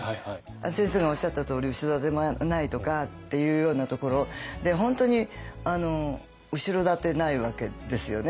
先生のおっしゃったとおり後ろ盾もないとかっていうようなところ本当に後ろ盾ないわけですよね。